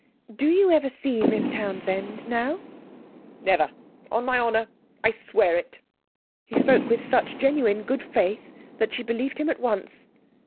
Do you ever see Miss Townsend now?' 'Never, on my honour! I swear it.' He spoke with such genuine good faith that she believed him at once.